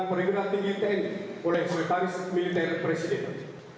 perwira tinggi tni oleh sekretaris militer presiden